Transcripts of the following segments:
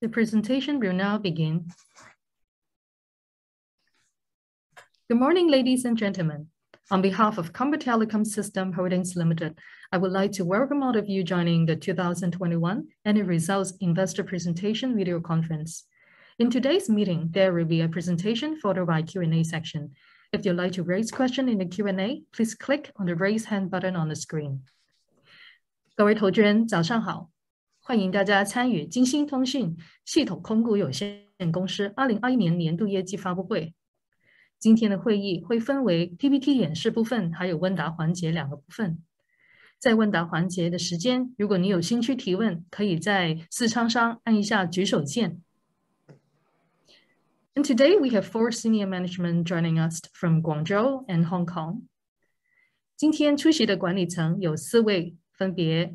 The presentation will now begin. Good morning, ladies and gentlemen. On behalf of Comba Telecom Systems Holdings Limited, I would like to welcome all of you joining the 2021 annual results investor presentation video conference. In today's meeting, there will be a presentation followed by Q&A section. If you'd like to raise question in the Q&A, please click on the Raise Hand button on the screen. Today, we have four senior management joining us from Guangzhou and Hong Kong. From Guangzhou,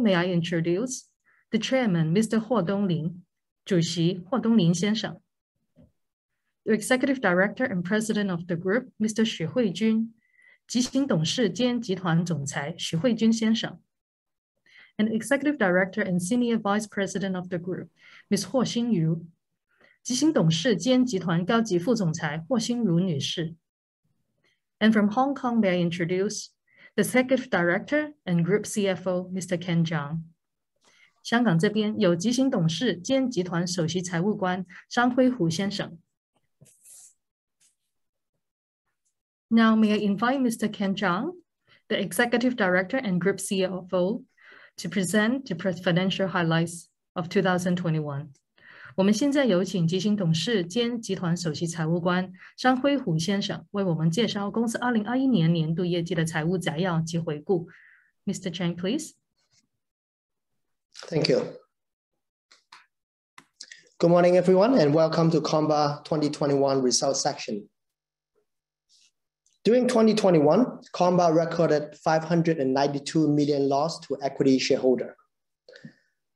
may I introduce the chairman, Mr. Huo Dongling. The Executive Director and President of the Group, Mr. Xu Huijun. And Executive Director and Senior Vice President of the Group, Ms. Huo Xinyu. And from Hong Kong, may I introduce the Executive Director and Group CFO, Mr. Ken Chang. Now, may I invite Mr. Ken Chang, the Executive Director and Group CFO, to present the financial highlights of 2021. Mr. Cheung, please. Thank you. Good morning, everyone, and welcome to Comba 2021 results section. During 2021, Comba recorded 592 million loss to equity shareholder.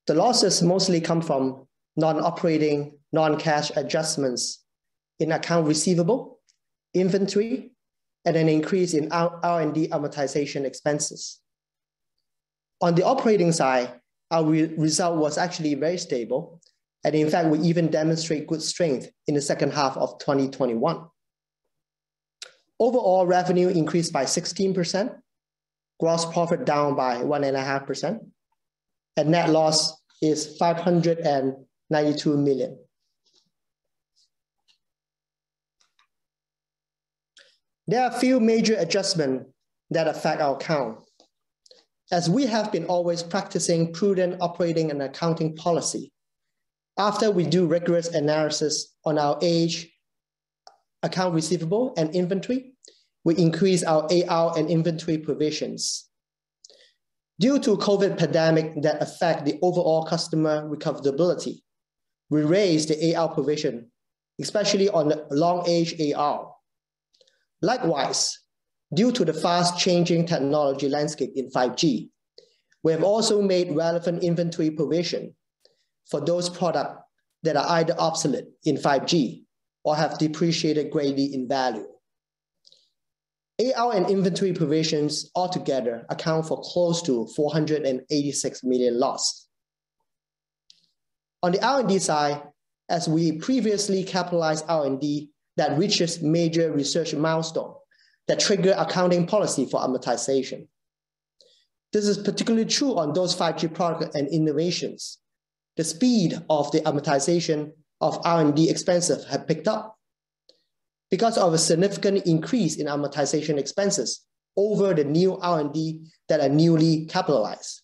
The losses mostly come from non-operating, non-cash adjustments in accounts receivable, inventory, and an increase in our R&D amortization expenses. On the operating side, our result was actually very stable. In fact, we even demonstrate good strength in the second half of 2021. Overall revenue increased by 16%. Gross profit down by 1.5%. Net loss is HKD 592 million. There are a few major adjustment that affect our accounts. As we have been always practicing prudent operating and accounting policy, after we do rigorous analysis on our AR, accounts receivable and inventory, we increase our AR and inventory provisions. Due to COVID pandemic that affect the overall customer recoverability, we raised the AR provision, especially on the long-aged AR. Likewise, due to the fast-changing technology landscape in 5G, we have also made relevant inventory provision for those products that are either obsolete in 5G or have depreciated greatly in value. AR and inventory provisions altogether account for close to 486 million loss. On the R&D side, as we previously capitalized R&D that reaches major research milestone that trigger accounting policy for amortization. This is particularly true on those 5G products and innovations. The speed of the amortization of R&D expenses has picked up because of a significant increase in amortization expenses of the new R&D that are newly capitalized.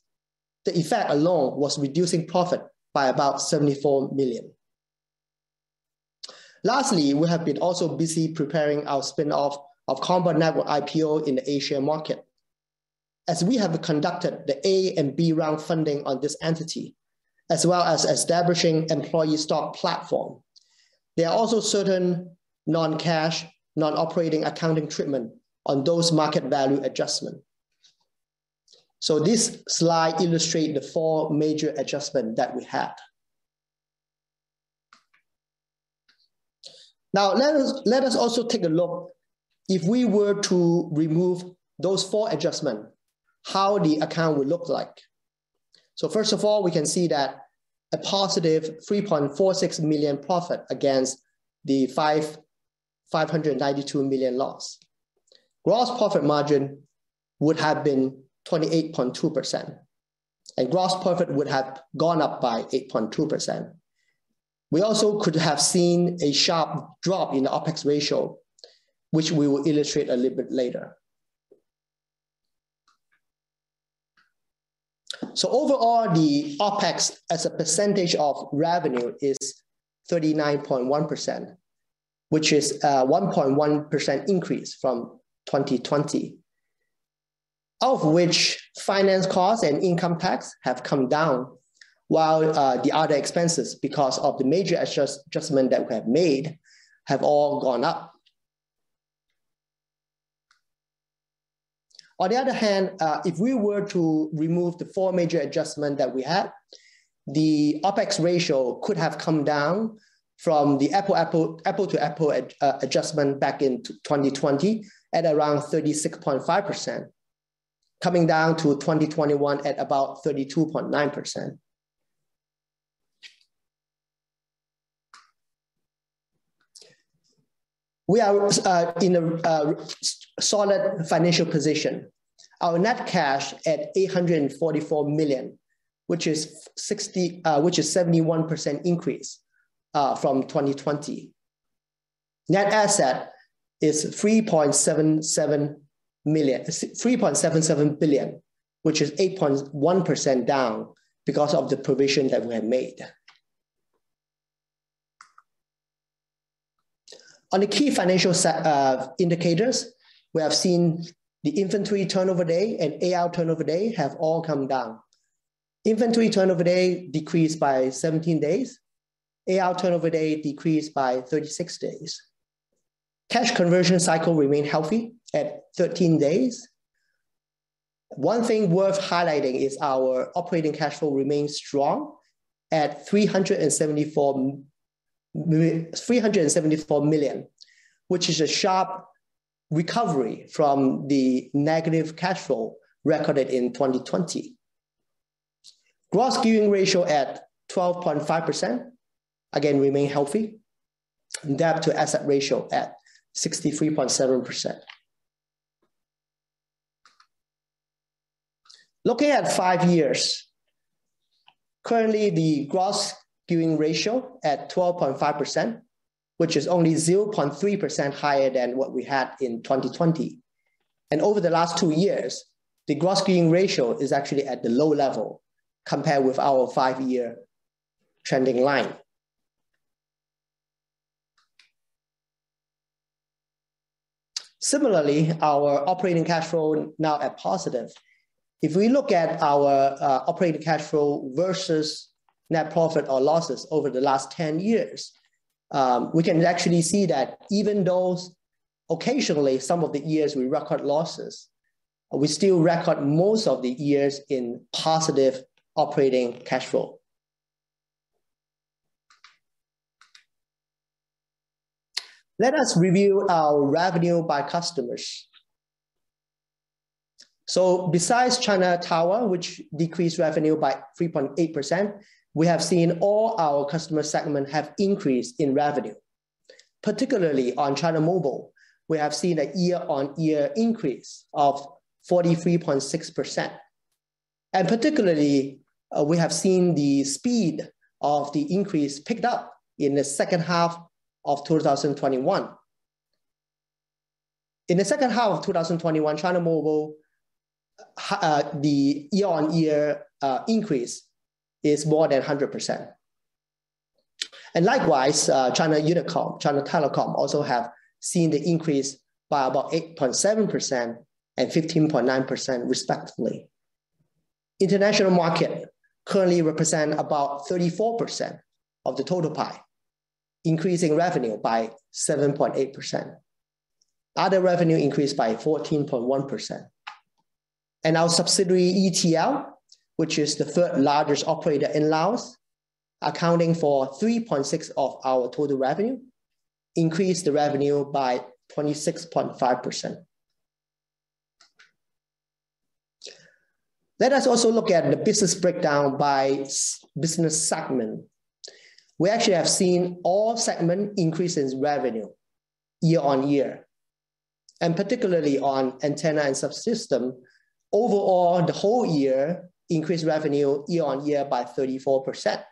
The effect alone was reducing profit by about 74 million. Lastly, we have been also busy preparing our spin-off of Comba Network IPO in the Asia market. As we have conducted the A and B round funding on this entity, as well as establishing employee stock platform. There are also certain non-cash, non-operating accounting treatment on those market value adjustment. This slide illustrate the four major adjustment that we had. Now, let us also take a look if we were to remove those four adjustment, how the account would look like. First of all, we can see that a positive 3.46 million profit against the 592 million loss. Gross profit margin would have been 28.2%, and gross profit would have gone up by 8.2%. We also could have seen a sharp drop in OpEx ratio, which we will illustrate a little bit later. Overall, the OpEx as a percentage of revenue is 39.1%, which is a 1.1% increase from 2020. Of which finance costs and income tax have come down while the other expenses, because of the major adjustment that we have made, have all gone up. On the other hand, if we were to remove the four major adjustments that we had, the OpEx ratio could have come down from the apples-to-apples adjustment back in 2020 at around 36.5%. Coming down to 2021 at about 32.9%. We are in a solid financial position. Our net cash at 844 million, which is a 71% increase from 2020. Net asset is 3.77 billion, which is 8.1% down because of the provision that we have made. On the key financial indicators, we have seen the inventory turnover day and AR turnover day have all come down. Inventory turnover day decreased by 17 days. AR turnover day decreased by 36 days. Cash conversion cycle remained healthy at 13 days. One thing worth highlighting is our operating cash flow remains strong at 374 million, which is a sharp recovery from the negative cash flow recorded in 2020. Gross gearing ratio at 12.5%, again, remain healthy. Debt to asset ratio at 63.7%. Looking at five years, currently the gross gearing ratio at 12.5%, which is only 0.3% higher than what we had in 2020. Over the last two years, the gross gearing ratio is actually at the low level compared with our five-year trending line. Similarly, our operating cash flow now at positive. If we look at our operating cash flow versus net profit or losses over the last 10 years, we can actually see that even though occasionally some of the years we record losses, we still record most of the years in positive operating cash flow. Let us review our revenue by customers. Besides China Tower, which decreased revenue by 3.8%, we have seen all our customer segment have increased in revenue. Particularly on China Mobile, we have seen a year-on-year increase of 43.6%. Particularly, we have seen the speed of the increase picked up in the second half of 2021. In the second half of 2021, China Mobile, the year-on-year increase is more than 100%. Likewise, China Unicom, China Telecom also have seen the increase by about 8.7% and 15.9% respectively. International market currently represent about 34% of the total pie, increasing revenue by 7.8%. Other revenue increased by 14.1%. Our subsidiary ETL, which is the third largest operator in Laos, accounting for 3.6% of our total revenue, increased the revenue by 26.5%. Let us also look at the business breakdown by business segment. We actually have seen all segments increase its revenue year-on-year, and particularly on Antenna and Subsystems. Overall, the whole year increased revenue year-on-year by 34%.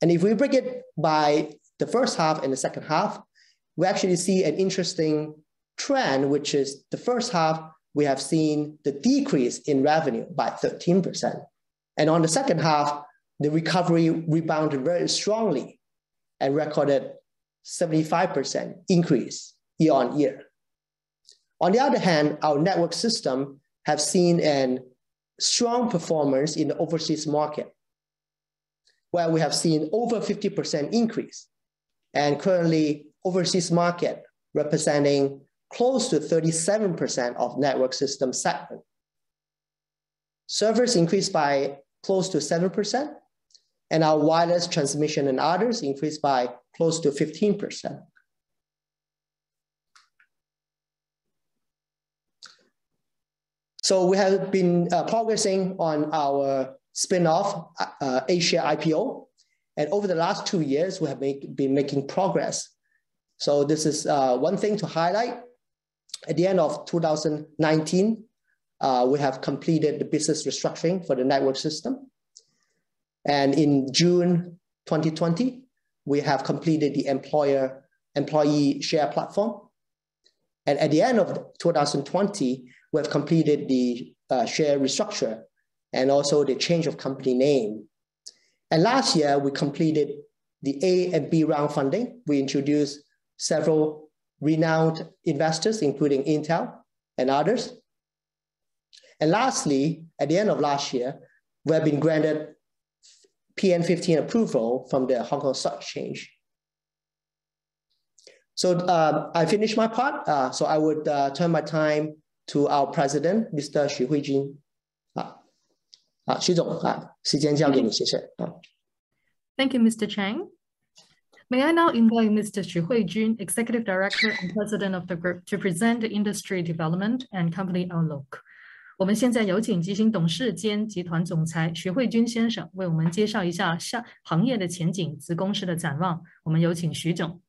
If we break it by the first half and the second half, we actually see an interesting trend, which is the first half we have seen the decrease in revenue by 13%. On the second half, the recovery rebounded very strongly and recorded 75% increase year-on-year. On the other hand, our Network Systems have seen a strong performance in the overseas market, where we have seen over 50% increase. Currently, overseas market representing close to 37% of Network Systems segment. Servers increased by close to 7%, and our Wireless Transmission and others increased by close to 15%. We have been progressing on our spin-off A-share IPO. Over the last two years, we have been making progress. This is one thing to highlight. At the end of 2019, we have completed the business restructuring for the network system. In June 2020, we have completed the employee share platform. At the end of 2020, we have completed the share restructure and also the change of company name. Last year, we completed the A and B round funding. We introduced several renowned investors, including Intel and others. Lastly, at the end of last year, we have been granted PN15 approval from the Hong Kong Stock Exchange. I finish my part, so I would turn my time to our president, Mr. Huijun 好，徐总，时间交给您，谢谢。Thank you, Mr. Chang. May I now invite Mr. Xu Huijun, Executive Director and President of the Group, to present the industry development and company outlook. 我们现在有请执行董事兼集团总裁徐惠君先生为我们介绍一下行业的展望及公司的展望。我们有请徐总。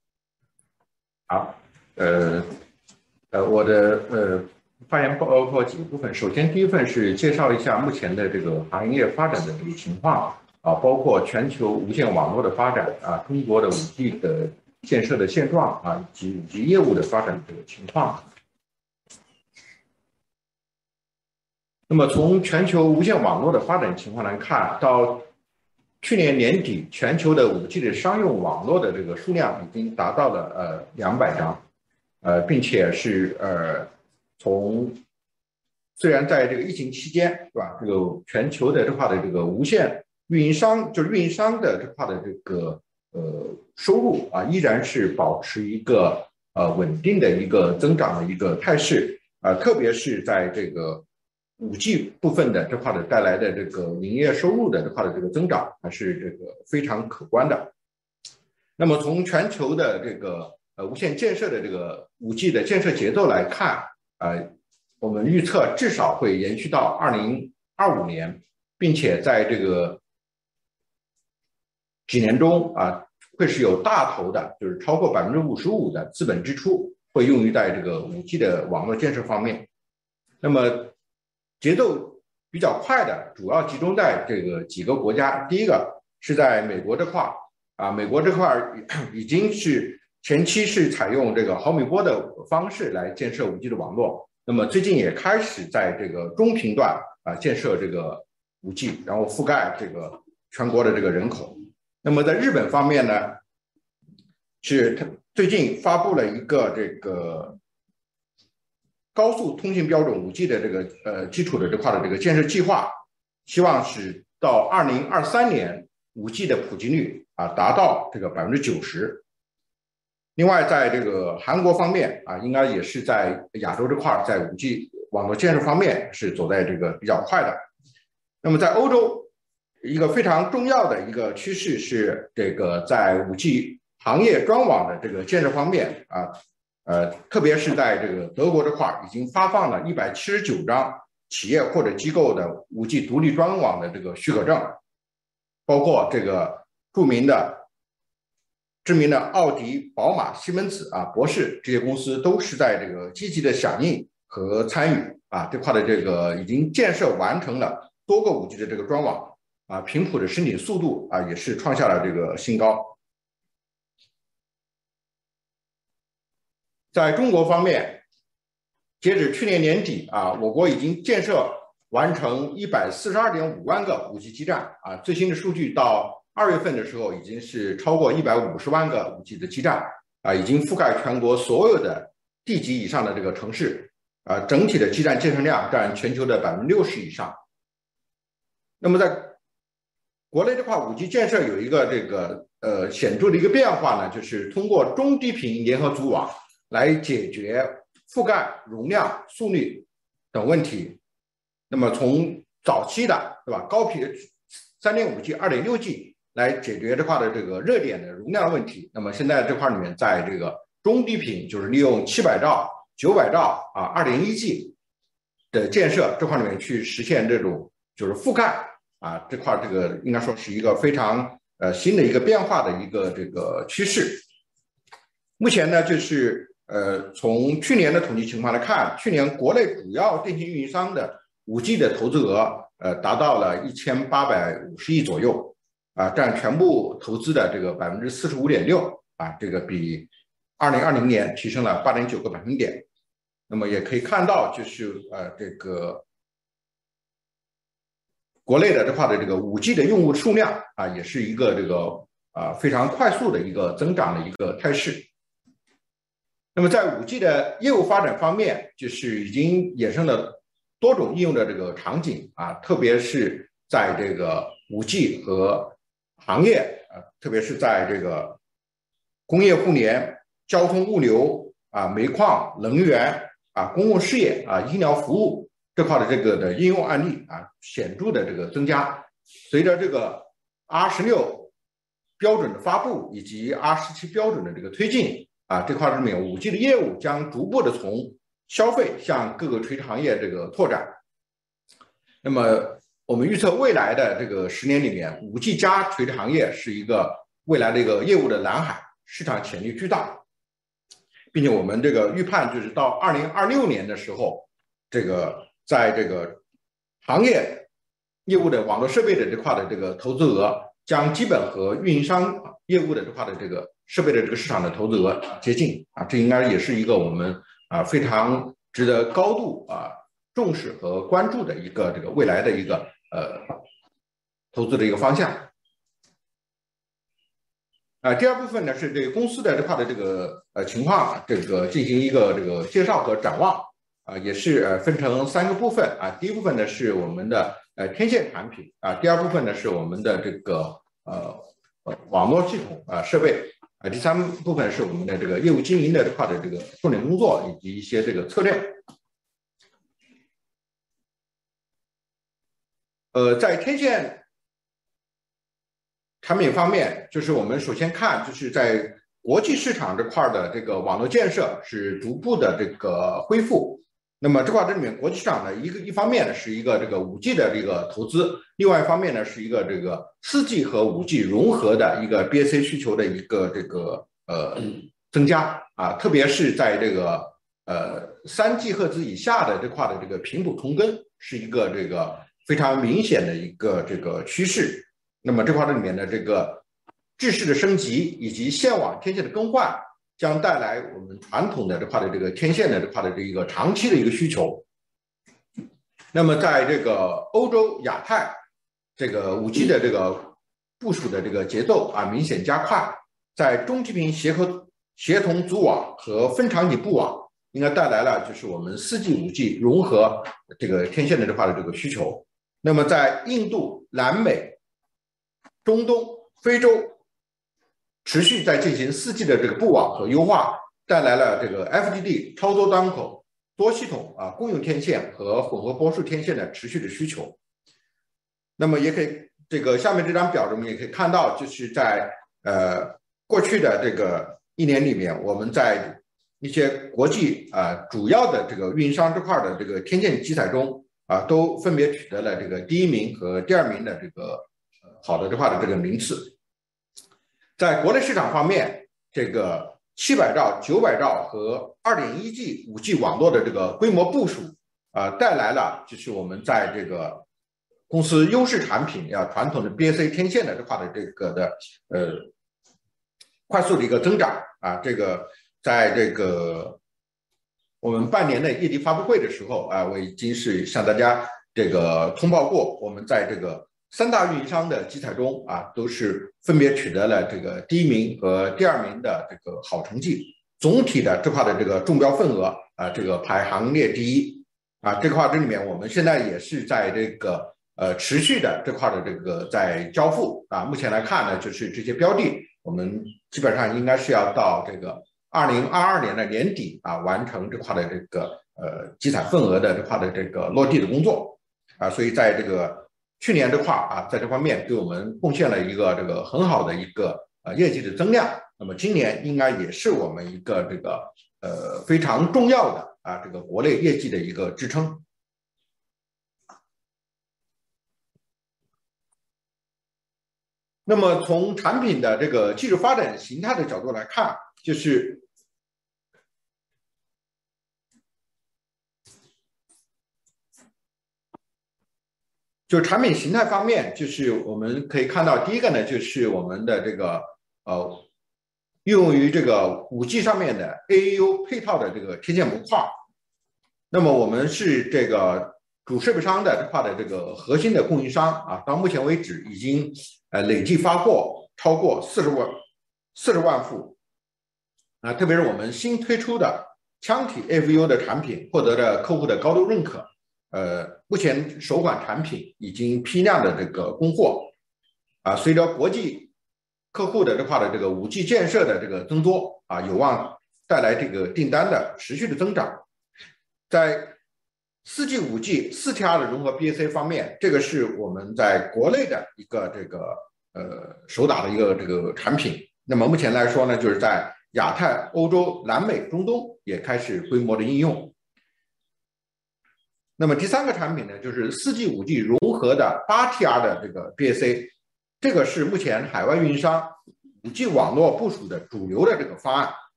在国内市场方面，700到900和2.1G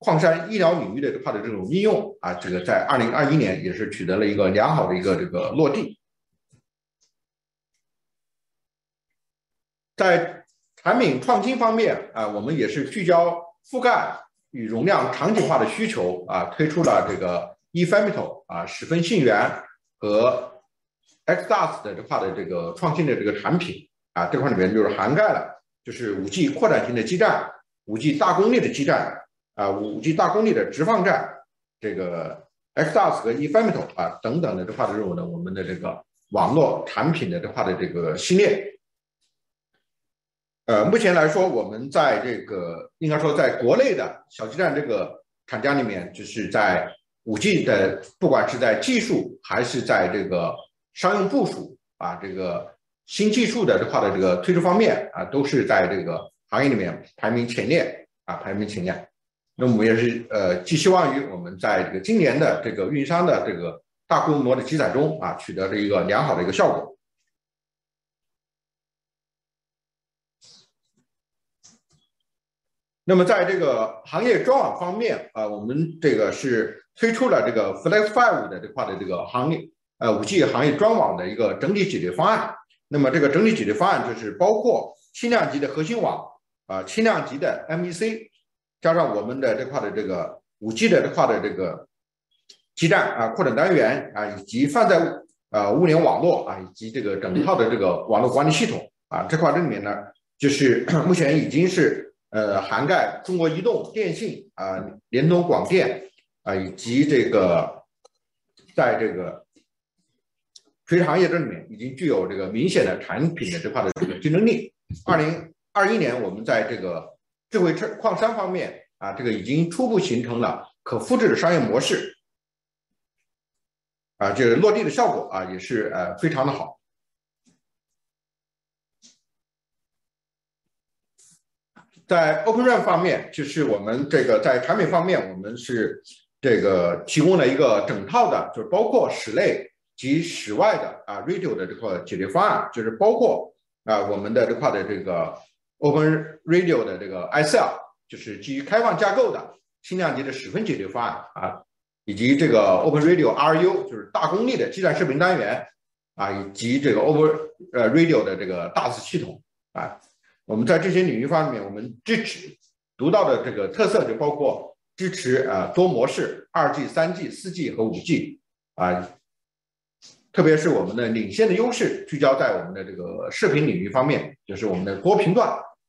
在产品创新方面，我们聚焦覆盖与容量场景化的需求，推出了E-Femto、十分信源和X-DAS的创新产品。涵盖了5G扩展型基站、5G大功率基站、5G大功率直放站，X-DAS和E-Femto等网络产品系列。目前我们在国内小基站厂家里面，在5G不管是在技术还是在商用部署、新技术推出方面，都在行业里面排名前列。我们也寄希望于在今年运营商的大规模集采中取得良好的效果。IC，就是基于开放架构的轻量级小站解决方案，以及openradio RRU，就是大功率的基站设备单元，以及Open 在2022年，我们会在欧洲、中东、美洲、亚太和非洲多个地区，目前已经有Open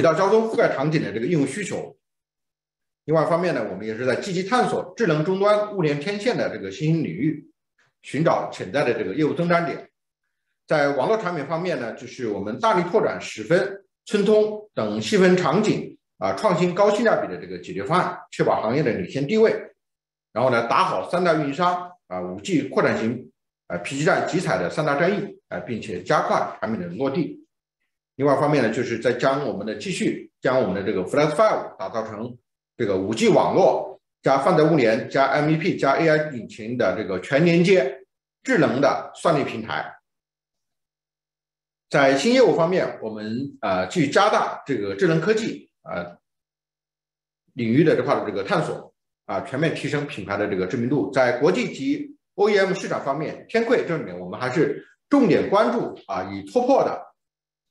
在新业务方面，我们继续加大智能科技领域的探索，全面提升品牌的知名度。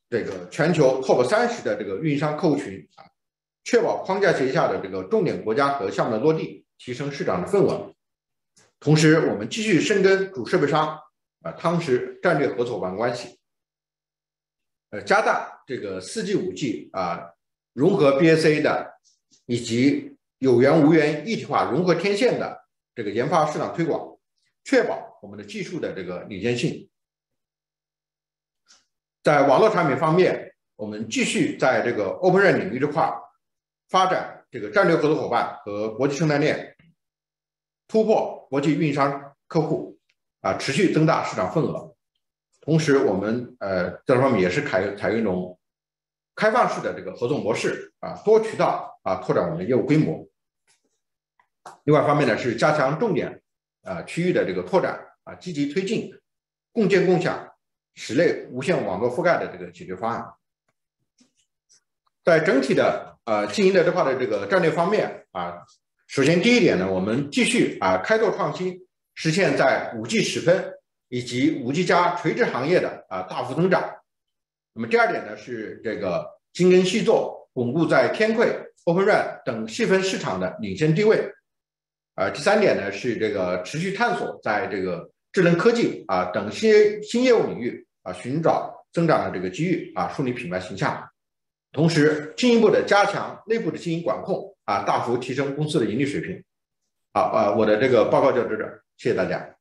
在网络产品方面，我们继续在Open 在整体经营战略方面，首先第一点，我们继续开拓创新，实现在5G时分以及5G加垂直行业的大幅增长。第二点是精耕细作，巩固在天馈、Open RAN等细分市场的领先地位。第三点是持续探索在智能科技等新业务领域寻找增长的机遇，树立品牌形象。同时进一步加强内部的经营管控，大幅提升公司的盈利水平。我的报告就到这，谢谢大家。